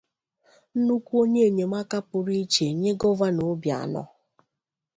nnukwu onye enyemaka pụrụ ichè nye Gọvanọ Obianọ